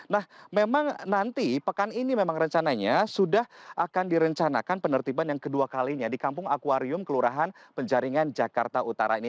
nah memang nanti pekan ini memang rencananya sudah akan direncanakan penertiban yang kedua kalinya di kampung akwarium kelurahan penjaringan jakarta utara ini